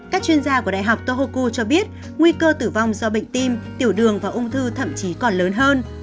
các chuyên gia của đại học tohoku cho biết nguy cơ tử vong do bệnh tim tiểu đường và ung thư thậm chí còn lớn hơn